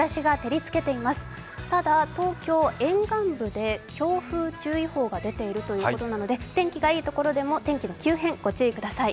ただ、東京、沿岸部で強風注意報が出ているということなので天気がいいところでも天気の急変、御注意ください。